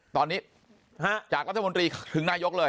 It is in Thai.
ตอนนี้จากลัศจัดมดรีถึงนายก